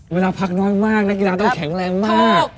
เวลาพักน้อยมากนักกีฬาต้องแข็งแรงมาก